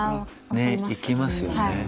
ねできますよね。